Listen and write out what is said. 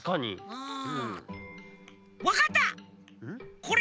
うん？